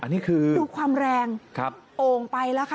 นี่คือดูความแรงโอ่งไปแล้วค่ะ